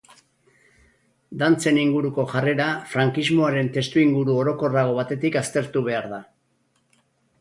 Dantzen inguruko jarrera frankismoaren testuinguru orokorrago batetik aztertu behar da.